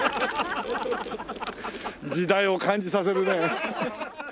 時代を感じさせるね。